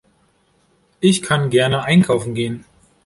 Ich kann gerne einkaufen gehen.